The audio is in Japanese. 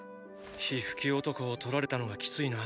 火吹き男を取られたのがきついな。